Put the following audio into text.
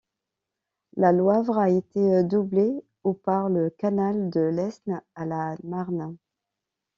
La Loivre a été doublée au par le canal de l'Aisne à la Marne.